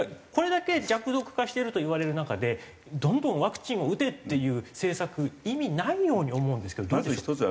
これだけ弱毒化しているといわれる中でどんどんワクチンを打てっていう政策意味ないように思うんですけどどうでしょう？